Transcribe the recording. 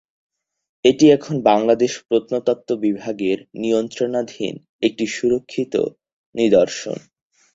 এটি এখন বাংলাদেশ প্রত্নতত্ত্ব বিভাগের নিয়ন্ত্রণাধীন একটি সুরক্ষিত নিদর্শন।